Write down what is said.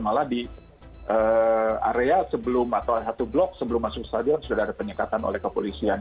malah di area sebelum atau satu blok sebelum masuk stadion sudah ada penyekatan oleh kepolisian